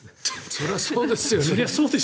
そりゃそうですよね。